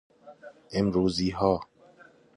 امروزی ها